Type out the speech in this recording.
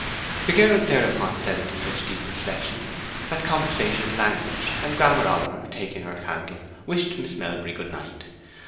The girl thereupon fell into such deep reflection that conversation languished, and Grammer Oliver, taking her candle, wished Miss Melbury good night.